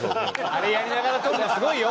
あれやりながら取るのすごいよ。